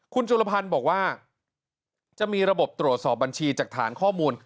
คุณจุลพันธ์บอกว่าจะมีระบบตรวจสอบบัญชีจากฐานข้อมูล